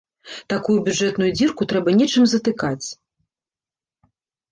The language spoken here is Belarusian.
Такую бюджэтную дзірку трэба нечым затыкаць.